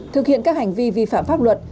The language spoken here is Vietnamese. thực hiện các hành vi vi phạm pháp luật